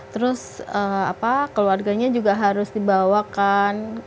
terus keluarganya juga harus dibawakan